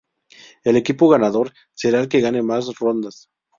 El equipo ganador será el que gane más rondas.